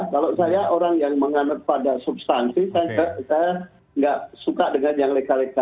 kalau saya orang yang menganut pada substansi saya tidak suka dengan yang leka leka